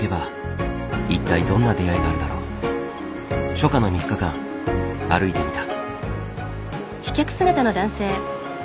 初夏の３日間歩いてみた。